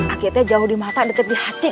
aku itu jauh dari mata dekat di hati